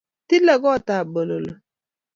Tili kotab Bololo